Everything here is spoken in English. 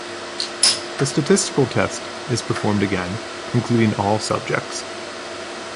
The statistical test is performed again, including all subjects.